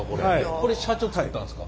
これ社長が作ったんですか？